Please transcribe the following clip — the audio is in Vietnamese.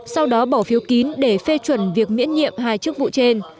sau đó bỏ phiếu kín để phê chuẩn việc miễn nhiệm hai chức vụ trên